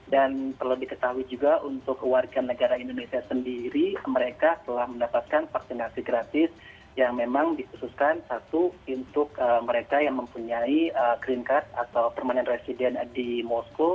dan perlu diketahui juga untuk warga negara indonesia sendiri mereka telah mendapatkan vaksinasi gratis yang memang dikhususkan satu untuk mereka yang mempunyai green card atau permanent resident di moskow